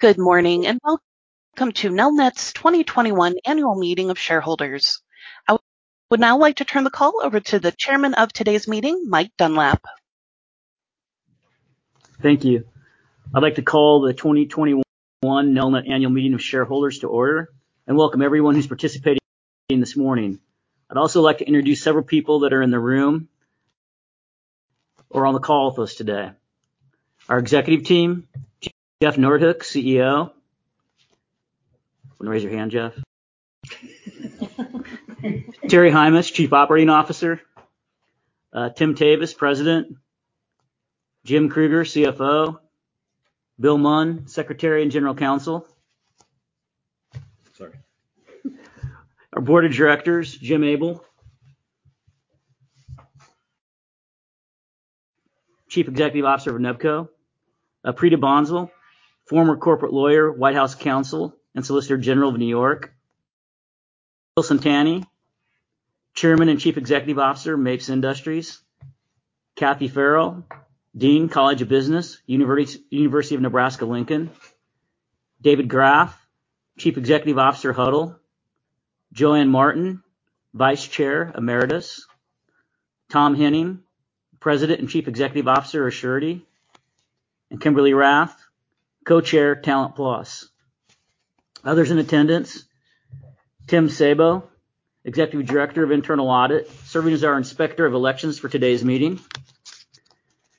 Good morning. Welcome to Nelnet's 2021 annual meeting of shareholders. I would now like to turn the call over to the Chairman of today's meeting, Mike Dunlap. Thank you. I'd like to call the 2021 Nelnet Annual Meeting of Shareholders to order and welcome everyone who's participating this morning. I'd also like to introduce several people that are in the room or on the call with us today. Our executive team, Jeffrey Noordhoek, CEO. Want to raise your hand, Jeff. Terry Heimes, Chief Operating Officer. Tim Tewes, President. Jim Kruger, CFO. Bill Munn, Secretary and General Counsel. Sorry. Our board of directors, Jim Abel, Chief Deputy Officer of NEBCO. Preeta Bansal, former corporate lawyer, White House Counsel, and Solicitor General of New York. Wilson Fanny, Chairman and Chief Executive Officer, Mapes Industries. Kathy Farrell, Dean, College of Business, University of Nebraska–Lincoln. David Graff, Chief Executive Officer, Hudl. JoAnn Martin, Vice Chair, Ameritas. Thomas E. Henning, President and Chief Executive Officer of Assurity, and Kimberly Rath, Co-Chair, Talent Plus. Others in attendance, Tim Sabo, Executive Director of Internal Audit, serving as our Inspector of Elections for today's meeting.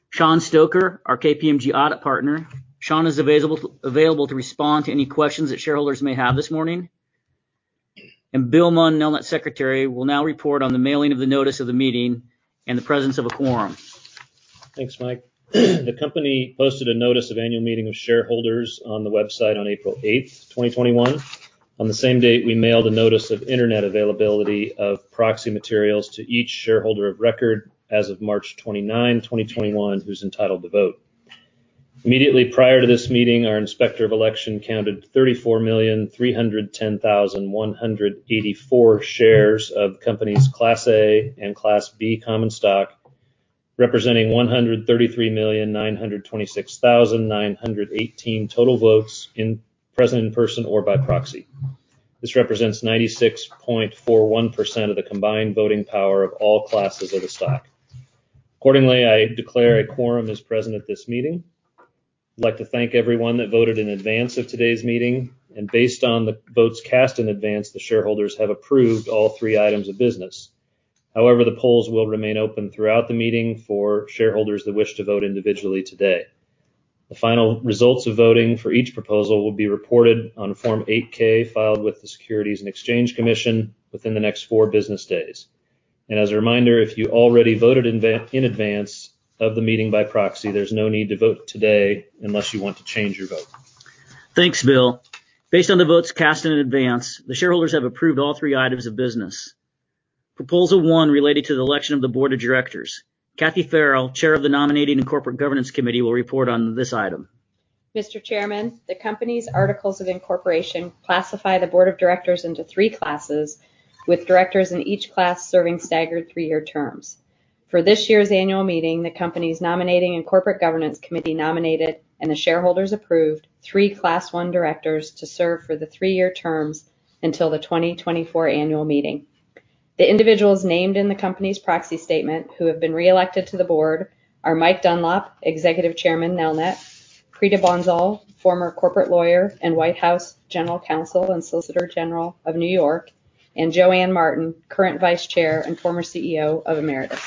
Shaun Stoker, our KPMG audit partner. Shaun is available to respond to any questions that shareholders may have this morning. Bill Munn, Nelnet Secretary, will now report on the mailing of the notice of the meeting and the presence of a quorum. Thanks, Mike. The company posted a notice of annual meeting with shareholders on the website on April 8th, 2021. On the same date, we mailed a notice of internet availability of proxy materials to each shareholder of record as of March 29, 2021, who's entitled to vote. Immediately prior to this meeting, our Inspector of Election counted 34,310,184 shares of company's Class A and Class B common stock, representing 133,926,918 total votes present in person or by proxy. This represents 96.41% of the combined voting power of all classes of the stock. Accordingly, I declare a quorum is present at this meeting. I'd like to thank everyone that voted in advance of today's meeting. Based on the votes cast in advance, the shareholders have approved all three items of business. However, the polls will remain open throughout the meeting for shareholders that wish to vote individually today. The final results of voting for each proposal will be reported on Form 8-K filed with the Securities and Exchange Commission within the next four business days. As a reminder, if you already voted in advance of the meeting by proxy, there's no need to vote today unless you want to change your vote. Thanks, Bill. Based on the votes cast in advance, the shareholders have approved all three items of business. Proposal one related to the election of the board of directors. Kathy Farrell, Chair of the Nominating and Corporate Governance Committee, will report on this item. Mr. Chairman, the company's articles of incorporation classify the board of directors into three classes, with directors in each class serving staggered three-year terms. For this year's annual meeting, the company's Nominating and Corporate Governance Committee nominated, and the shareholders approved three Class 1 directors to serve for the three-year terms until the 2024 annual meeting. The individuals named in the company's proxy statement who have been reelected to the board are Mike Dunlap, Executive Chairman, Nelnet, Preeta Bansal, former corporate lawyer and White House General Counsel and Solicitor General of New York, and JoAnn Martin, current Vice Chair and former CEO of Ameritas.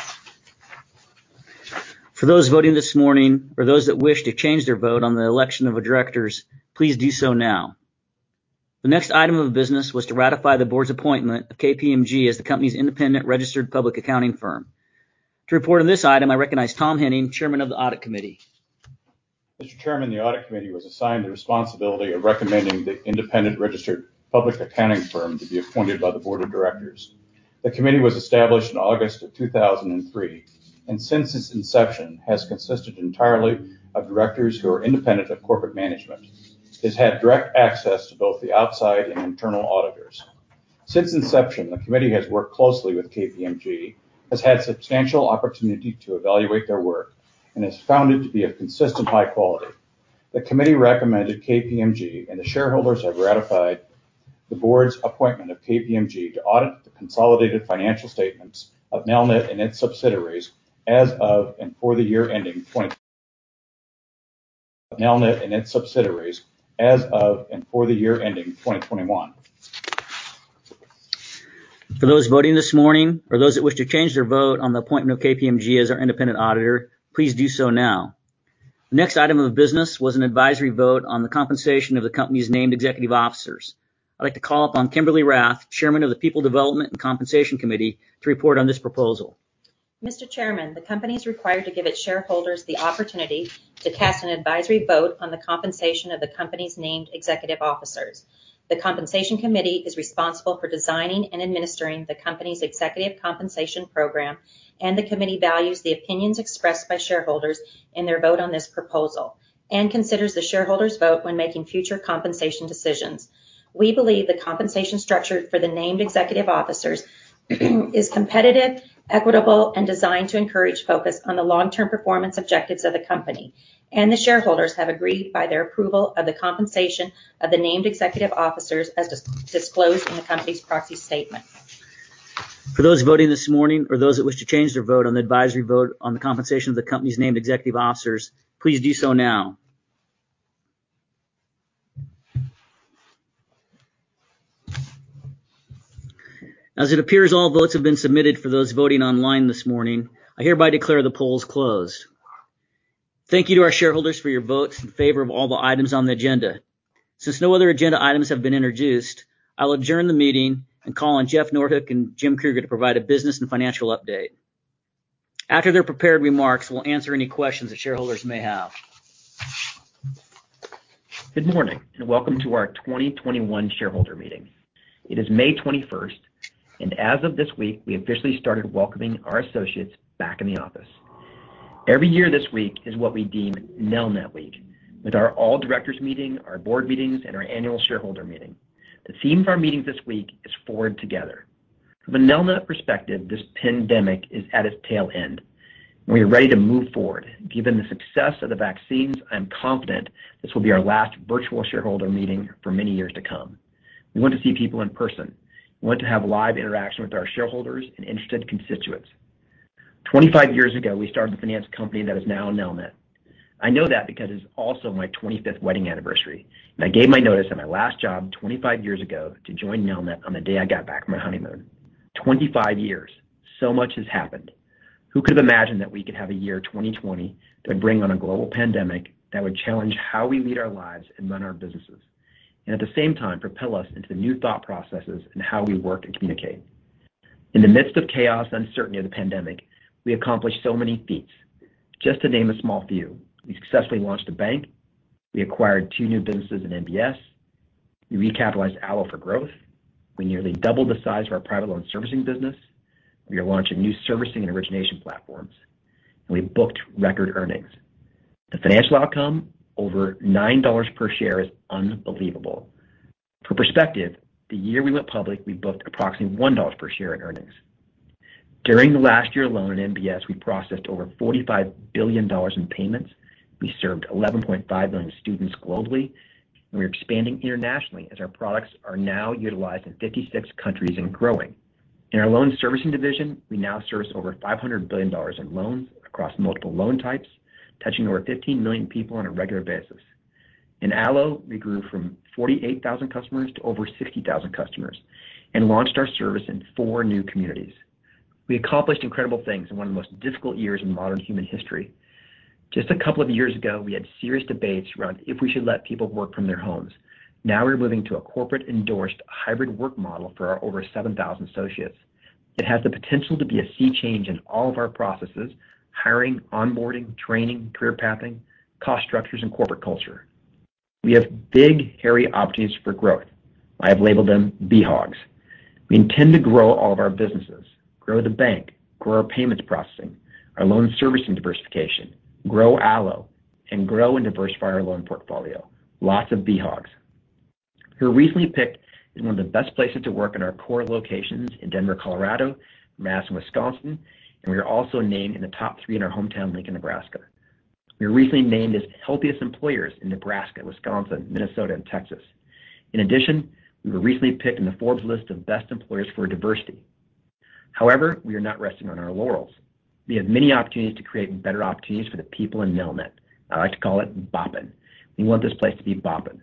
For those voting this morning or those that wish to change their vote on the election of the directors, please do so now. The next item of business was to ratify the board's appointment of KPMG as the company's independent registered public accounting firm. To report on this item, I recognize Tom Henning, Chairman of the Audit Committee. Mr. Chairman, the Audit Committee was assigned the responsibility of recommending the independent registered public accounting firm to be appointed by the board of directors. The committee was established in August of 2003, and since its inception, has consisted entirely of directors who are independent of corporate management. It's had direct access to both the outside and internal auditors. Since inception, the committee has worked closely with KPMG, has had substantial opportunity to evaluate their work, and has found it to be of consistent high quality. The committee recommended KPMG, and the shareholders have ratified the board's appointment of KPMG to audit the consolidated financial statements of Nelnet and its subsidiaries as of and for the year ending 2021. For those voting this morning or those that wish to change their vote on the appointment of KPMG as our independent auditor, please do so now. The next item of business was an advisory vote on the compensation of the company's named executive officers. I'd like to call upon Kimberly Rath, Chairman of the People Development and Compensation Committee, to report on this proposal. Mr. Chairman, the company is required to give its shareholders the opportunity to cast an advisory vote on the compensation of the company's named executive officers. The Compensation Committee is responsible for designing and administering the company's executive compensation program. The committee values the opinions expressed by shareholders in their vote on this proposal and considers the shareholders' vote when making future compensation decisions. We believe the compensation structure for the named executive officers is competitive, equitable, and designed to encourage focus on the long-term performance objectives of the company. The shareholders have agreed by their approval of the compensation of the named executive officers as disclosed in the company's proxy statement. For those voting this morning or those that wish to change their vote on the advisory vote on the compensation of the company's named executive officers, please do so now. As it appears all votes have been submitted for those voting online this morning, I hereby declare the polls closed. Thank you to our shareholders for your votes in favor of all the items on the agenda. Since no other agenda items have been introduced, I'll adjourn the meeting and call on Jeffrey Noordhoek and Jim Kruger to provide a business and financial update. After their prepared remarks, we'll answer any questions that shareholders may have. Good morning, welcome to our 2021 shareholder meeting. It is May 21st, and as of this week, we officially started welcoming our associates back in the office. Every year this week is what we deem Nelnet Week, with our all directors meeting, our board meetings, and our annual shareholder meeting. The theme of our meetings this week is Forward Together. From the Nelnet perspective, this pandemic is at its tail end, and we are ready to move forward. Given the success of the vaccines, I'm confident this will be our last virtual shareholder meeting for many years to come. We want to see people in person. We want to have live interaction with our shareholders and interested constituents. 25 years ago, we started a finance company that is now Nelnet. I know that because it's also my 25th wedding anniversary, and I gave my notice at my last job 25 years ago to join Nelnet on the day I got back from my honeymoon. 25 years, so much has happened. Who could imagine that we could have a year, 2020, to bring on a global pandemic that would challenge how we lead our lives and run our businesses, and at the same time, propel us into new thought processes in how we work and communicate. In the midst of chaos and uncertainty of the pandemic, we accomplished so many feats. Just to name a small few. We successfully launched a bank. We acquired two new businesses in NBS. We recapitalized ALLO for growth. We nearly doubled the size of our private loan servicing business. We are launching new servicing and origination platforms, and we booked record earnings. The financial outcome, over $9 per share is unbelievable. For perspective, the year we went public, we booked approximately $1 per share in earnings. During the last year alone in NBS, we processed over $45 billion in payments. We served 11.5 million students globally. We are expanding internationally as our products are now utilized in 56 countries and growing. In our loan servicing division, we now service over $500 billion in loans across multiple loan types, touching over 15 million people on a regular basis. In ALLO, we grew from 48,000 customers to over 60,000 customers and launched our service in four new communities. We accomplished incredible things in one of the most difficult years in modern human history. Just a couple of years ago, we had serious debates around if we should let people work from their homes. Now we're moving to a corporate-endorsed hybrid work model for our over 7,000 associates. It has the potential to be a key change in all of our processes, hiring, onboarding, training, career pathing, cost structures, and corporate culture. We have big, hairy opportunities for growth. I've labeled them BHAGs. We intend to grow all of our businesses, grow the bank, grow our payments processing, our loan servicing diversification, grow ALLO, and grow a diversified loan portfolio. Lots of BHAGs. We were recently picked as one of the best places to work in our core locations in Denver, Colorado; Madison, Wisconsin; and we are also named in the top three in our hometown bank in Nebraska. We were recently named as healthiest employers in Nebraska, Wisconsin, Minnesota, and Texas. In addition, we were recently picked in the Forbes list of best employers for diversity. However, we are not resting on our laurels. We have many opportunities to create better opportunities for the people in Nelnet. I like to call it boppin. We want this place to be boppin.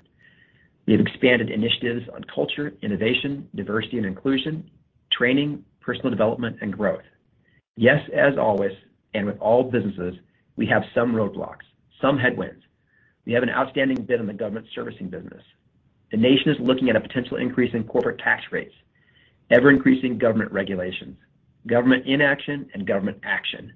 We have expanded initiatives on culture, innovation, diversity and inclusion, training, personal development, and growth. Yes, as always, and with all businesses, we have some roadblocks, some headwinds. We have an outstanding bid on the government servicing business. The nation is looking at a potential increase in corporate tax rates, ever-increasing government regulations, government inaction, and government action.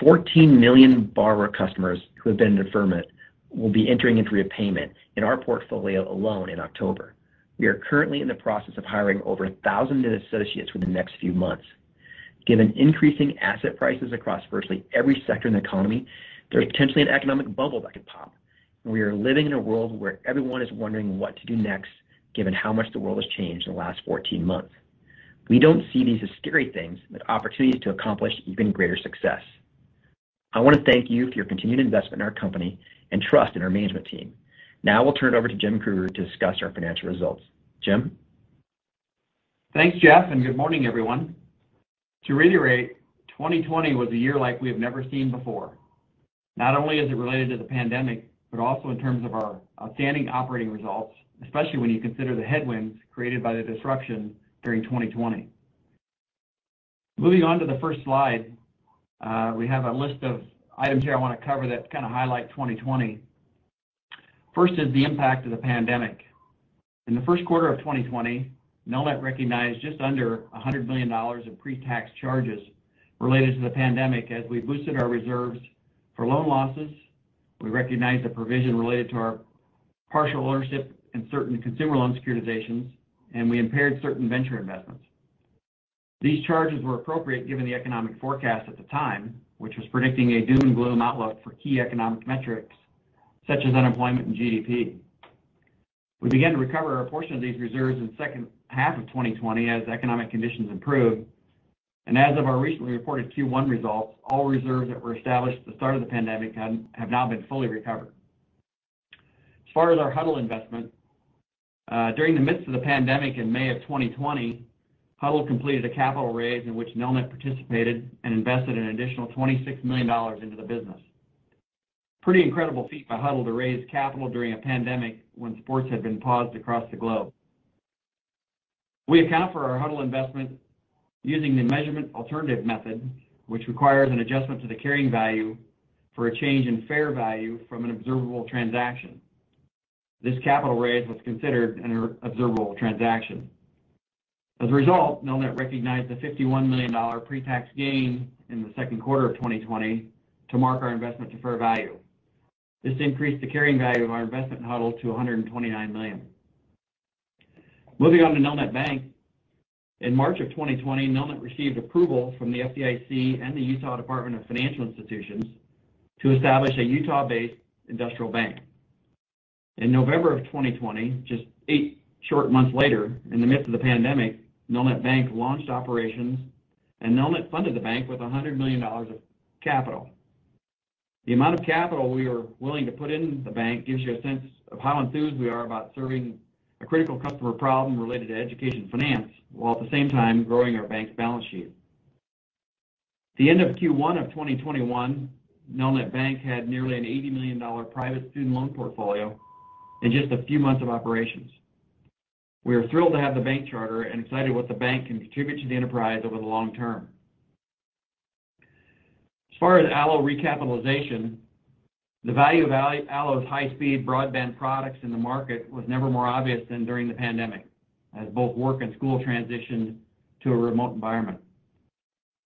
14 million borrower customers who have been in deferment will be entering into repayment in our portfolio alone in October. We are currently in the process of hiring over 1,000 new associates over the next few months. Given increasing asset prices across virtually every sector in the economy, there is potentially an economic bubble that could pop. We are living in a world where everyone is wondering what to do next, given how much the world has changed in the last 14 months. We don't see these as scary things, but opportunities to accomplish even greater success. I want to thank you for your continued investment in our company and trust in our management team. Now we'll turn it over to Jim Kruger to discuss our financial results. Jim? Thanks, Jeff, and good morning, everyone. To reiterate, 2020 was a year like we have never seen before. Not only is it related to the pandemic, but also in terms of our outstanding operating results, especially when you consider the headwinds created by the disruption during 2020. Moving on to the first slide, we have a list of items here I want to cover that kind of highlight 2020. First is the impact of the pandemic. In the first quarter of 2020, Nelnet recognized just under $100 million in pre-tax charges related to the pandemic as we boosted our reserves for loan losses. We recognized the provision related to our partial ownership in certain consumer loan securitizations, and we impaired certain venture investments. These charges were appropriate given the economic forecast at the time, which was predicting a doom and gloom outlook for key economic metrics such as unemployment and GDP. We began to recover a portion of these reserves in the second half of 2020 as economic conditions improved. As of our recently reported Q1 results, all reserves that were established at the start of the pandemic have now been fully recovered. As far as our Hudl investment, during the midst of the pandemic in May of 2020, Hudl completed a capital raise in which Nelnet participated and invested an additional $26 million into the business. Pretty incredible feat for Hudl to raise capital during a pandemic when sports had been paused across the globe. We account for our Hudl investment using the measurement alternative method, which requires an adjustment to the carrying value for a change in fair value from an observable transaction. This capital raise was considered an observable transaction. As a result, Nelnet recognized a $51 million pre-tax gain in the second quarter of 2020 to mark our investment to fair value. This increased the carrying value of our investment in Hudl to $129 million. Moving on to Nelnet Bank. In March of 2020, Nelnet received approval from the FDIC and the Utah Department of Financial Institutions to establish a Utah-based industrial bank. In November of 2020, just eight short months later, in the midst of the pandemic, Nelnet Bank launched operations, and Nelnet funded the bank with $100 million of capital. The amount of capital we are willing to put into the bank gives you a sense of how enthused we are about serving a critical customer problem related to education finance, while at the same time growing our bank's balance sheet. The end of Q1 of 2021, Nelnet Bank had nearly an $80 million private student loan portfolio in just a few months of operations. We are thrilled to have the bank charter and excited what the bank can contribute to the enterprise over the long term. As far as ALLO recapitalization, the value of ALLO's high-speed broadband products in the market was never more obvious than during the pandemic, as both work and school transitioned to a remote environment.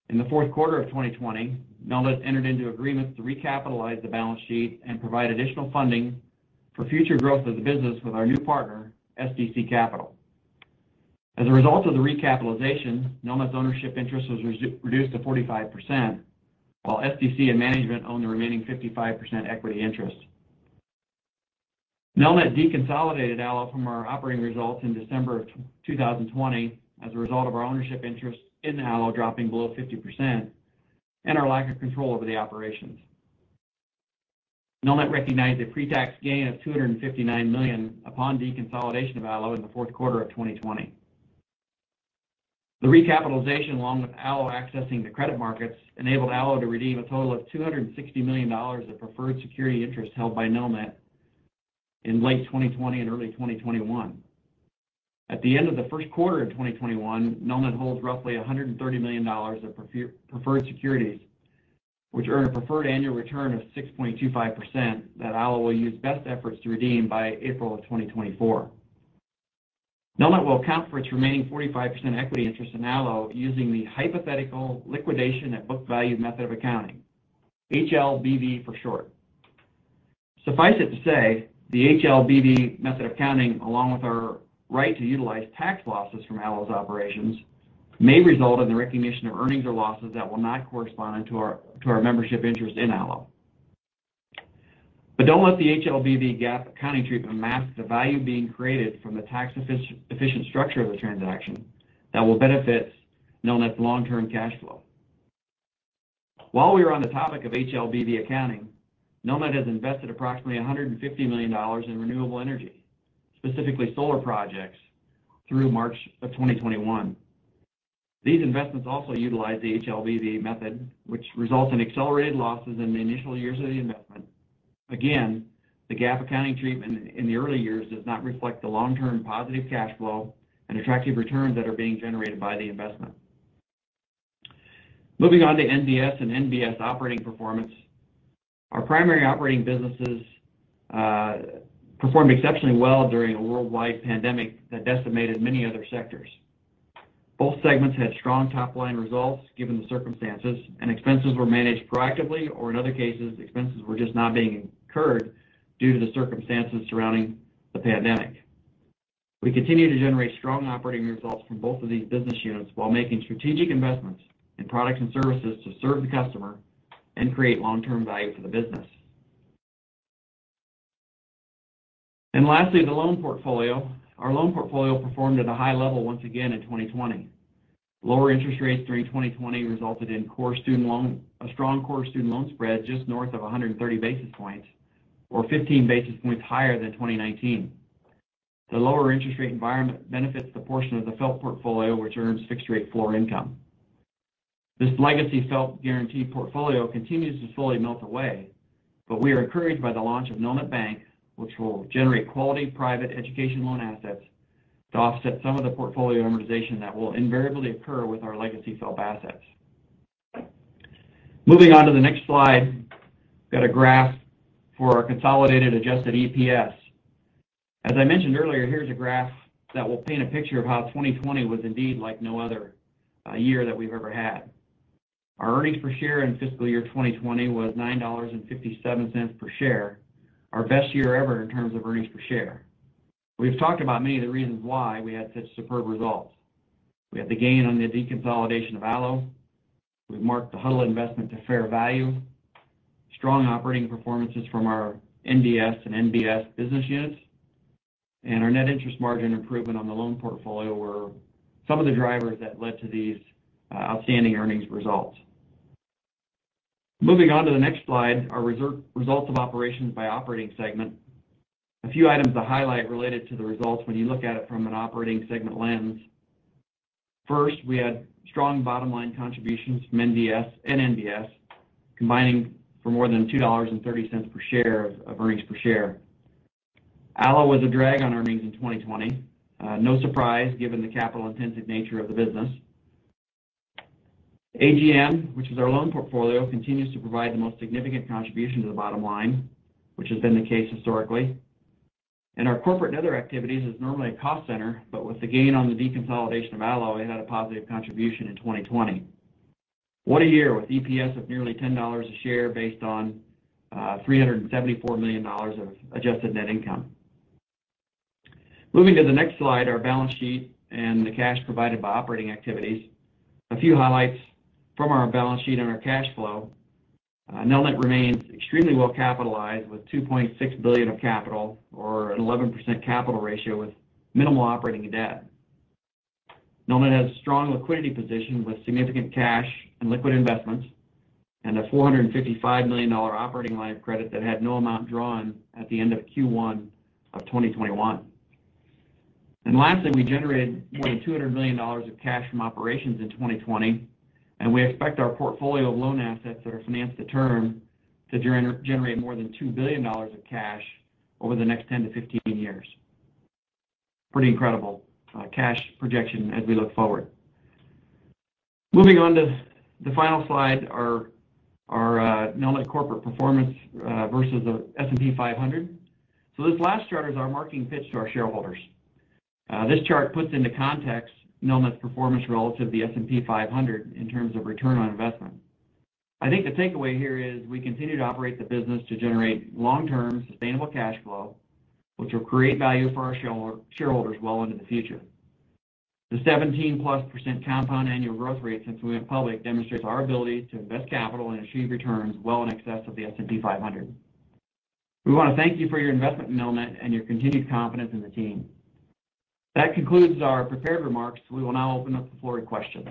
In the fourth quarter of 2020, Nelnet entered into agreements to recapitalize the balance sheet and provide additional funding for future growth of the business with our new partner, SDC Capital Partners. As a result of the recapitalization, Nelnet's ownership interest was reduced to 45%, while SDC and management own the remaining 55% equity interest. Nelnet deconsolidated ALLO from our operating results in December 2020 as a result of our ownership interest in ALLO dropping below 50% and our lack of control over the operations. Nelnet recognized a pre-tax gain of $259 million upon deconsolidation of ALLO in the fourth quarter of 2020. The recapitalization, along with ALLO accessing the credit markets, enabled ALLO to redeem a total of $260 million of preferred security interest held by Nelnet in late 2020 and early 2021. At the end of the first quarter of 2021, Nelnet holds roughly $130 million of preferred securities, which earn a preferred annual return of 6.25% that ALLO will use best efforts to redeem by April of 2024. Nelnet will account for its remaining 45% equity interest in ALLO using the hypothetical liquidation at book value method of accounting, HLBV for short. Suffice it to say, the HLBV method of accounting, along with our right to utilize tax losses from ALLO's operations, may result in the recognition of earnings or losses that will not correspond to our membership interest in ALLO. Don't let the HLBV GAAP accounting treatment mask the value being created from the tax-efficient structure of the transaction that will benefit Nelnet's long-term cash flow. While we are on the topic of HLBV accounting, Nelnet has invested approximately $150 million in renewable energy, specifically solar projects, through March of 2021. These investments also utilize the HLBV method, which result in accelerated losses in the initial years of the investment. Again, the GAAP accounting treatment in the early years does not reflect the long-term positive cash flow and attractive returns that are being generated by the investment. Moving on to NDS and NBS operating performance. Our primary operating businesses performed exceptionally well during a worldwide pandemic that decimated many other sectors. Both segments had strong top-line results given the circumstances, and expenses were managed proactively, or in other cases, expenses were just not being incurred due to the circumstances surrounding the pandemic. We continue to generate strong operating results from both of these business units while making strategic investments in products and services to serve the customer and create long-term value for the business. Lastly, the loan portfolio. Our loan portfolio performed at a high level once again in 2020. Lower interest rates during 2020 resulted in a strong core student loan spread just north of 130 basis points, or 15 basis points higher than 2019. The lower interest rate environment benefits the portion of the FFELP portfolio, which earns fixed rate floor income. This legacy FFELP guaranteed portfolio continues to slowly melt away, but we are encouraged by the launch of Nelnet Bank, which will generate quality private education loan assets to offset some of the portfolio amortization that will invariably occur with our legacy FFELP assets. Moving on to the next slide. Got a graph for our consolidated adjusted EPS. As I mentioned earlier, here's a graph that will paint a picture of how 2020 was indeed like no other year that we've ever had. Our earnings per share in fiscal year 2020 was $9.57 per share, our best year ever in terms of earnings per share. We've talked about many of the reasons why we had such superb results. We had the gain on the deconsolidation of ALLO. We marked the Hudl investment to fair value. Strong operating performances from our NDS and NBS businesses, our net interest margin improvement on the loan portfolio were some of the drivers that led to these outstanding earnings results. Moving on to the next slide, our results of operations by operating segment. A few items to highlight related to the results when you look at it from an operating segment lens. First, we had strong bottom-line contributions from NDS and NBS, combining for more than $2.30 per share of earnings per share. ALLO was a drag on earnings in 2020. No surprise, given the capital-intensive nature of the business. AGM, which is our loan portfolio, continues to provide the most significant contribution to the bottom line, which has been the case historically. Our corporate and other activities is normally a cost center, but with the gain on the deconsolidation of ALLO, it had a positive contribution in 2020. What a year, with EPS of nearly $10 a share based on $374 million of adjusted net income. Moving to the next slide, our balance sheet and the cash provided by operating activity. A few highlights from our balance sheet and our cash flow. Nelnet remains extremely well-capitalized, with $2.6 billion of capital or an 11% capital ratio with minimal operating debt. Nelnet has a strong liquidity position with significant cash and liquid investments, and a $455 million operating line of credit that had no amount drawn at the end of Q1 of 2021. Lastly, we generated nearly $200 million of cash from operations in 2020, and we expect our portfolio of loan assets that are financed to term to generate more than $2 billion of cash over the next 10-15 years. Pretty incredible cash projection as we look forward. Moving on to the final slide, our Nelnet corporate performance versus the S&P 500. This last chart is our marching fits to our shareholders. This chart puts into context Nelnet's performance relative to the S&P 500 in terms of return on investment. I think the takeaway here is we continue to operate the business to generate long-term sustainable cash flow, which will create value for our shareholders well into the future. The 17+% compound annual growth rate since we went public demonstrates our ability to invest capital and achieve returns well in excess of the S&P 500. We want to thank you for your investment in Nelnet and your continued confidence in the team. That concludes our prepared remarks. We will now open up the floor to questions.